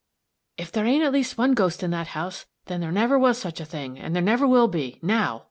"If there ain't at least one ghost in that house, then there never was such a thing, and there never will be now!